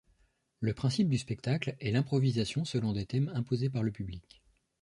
Le principe du spectacle est l'improvisation selon des thèmes imposés par le public.